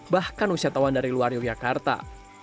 bahkan usia tawan dari luar yogyakarta